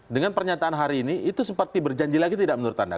dengan pernyataan hari ini itu seperti berjanji lagi tidak menurut anda